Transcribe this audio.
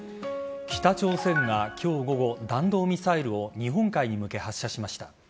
北朝鮮が今日午後弾道ミサイルを日本海に向け発射しました。